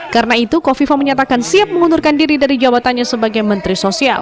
karena itu kofifah menyatakan siap mengundurkan diri dari jawatannya sebagai menteri sosial